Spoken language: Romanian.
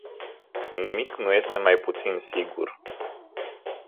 Nimic nu este mai puțin sigur.